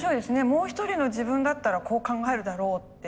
もう一人の自分だったらこう考えるだろうって。